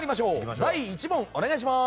第１問、お願いします。